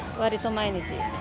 毎日？